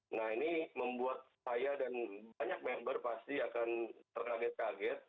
nah ini membuat saya dan banyak member pasti akan terkaget kaget